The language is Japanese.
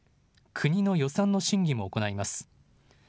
国の予算の審議も行います。